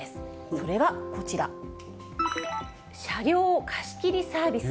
それがこちら、車両貸し切りサービス。